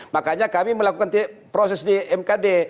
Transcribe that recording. makanya kami melakukan proses di mkd